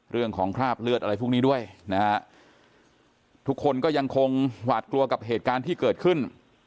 คราบเลือดอะไรพวกนี้ด้วยนะฮะทุกคนก็ยังคงหวาดกลัวกับเหตุการณ์ที่เกิดขึ้น